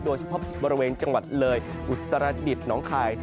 โดยเฉพาะบริเวณจังหวัดเลยอุตรดิษฐ์หนองคาย